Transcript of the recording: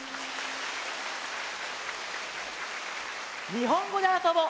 「にほんごであそぼ」